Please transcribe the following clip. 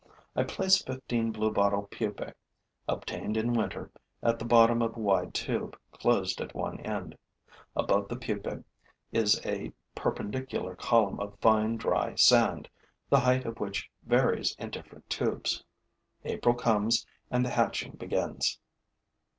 I place fifteen bluebottle pupae, obtained in winter, at the bottom of a wide tube closed at one end. Above the pupae is a perpendicular column of fine, dry sand, the height of which varies in different tubes. April comes and the hatching begins.